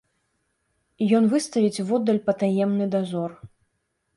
Ён выставіць воддаль патаемны дазор.